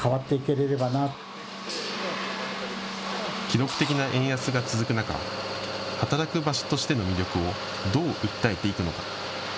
記録的な円安が続く中、働く場所としての魅力をどう訴えていくのか。